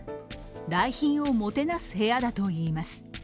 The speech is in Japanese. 来賓をもてなす部屋だといいます。